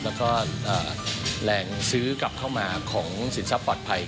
แล้วก็แรงซื้อกลับเข้ามาของสินทรัพย์ปลอดภัย